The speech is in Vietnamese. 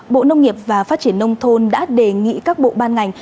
bộ nông nghiệp và phát triển nông thôn đã đề nghị các bộ ban ngành